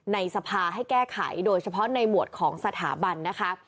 ในสภาให้แก้ไขโดยเฉพาะในหมวดของสถาบันนะคะ